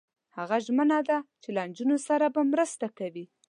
هغه ژمنه ده چې له نجونو سره به مرسته کوي.